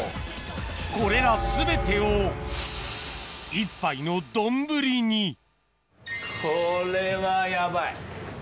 これら全てを１杯の丼にこれはヤバい。